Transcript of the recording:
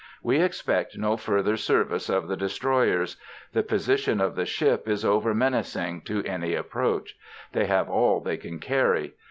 We expect no further service of the destroyers. The position of the ship is over menacing to any approach. They have all they can carry.